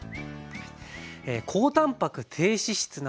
高たんぱく低脂質などですね